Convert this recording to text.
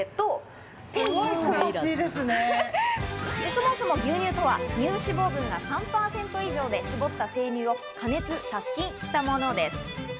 そもそも牛乳とは、乳脂肪分が３％以上で絞った生乳を加熱殺菌したものです。